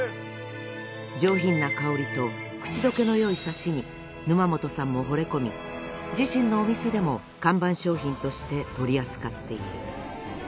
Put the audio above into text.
上品な香りと口溶けの良いサシに沼本さんも惚れ込み自身のお店でも看板商品として取り扱っている。